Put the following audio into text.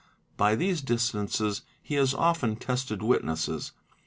By these distances he has often tested witnesses.